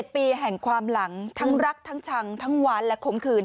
ปีแห่งความหลังทั้งรักทั้งชังทั้งหวานและข่มขืน